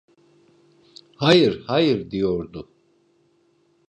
"Hayır, hayır!" diyordu.